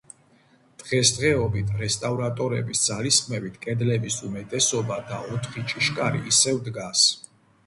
დღესდღეობით, რესტავრატორების ძალისხმევით, კედლების უმეტესობა და ოთხი ჭიშკარი ისევ დგას.